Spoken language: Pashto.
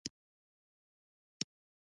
هر انسان باید ښه اندام ولري .